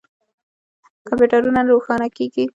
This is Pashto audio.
کمپیوټر نه روښانه کیږي